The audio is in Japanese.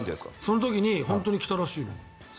その時に本当に来たらしいよ。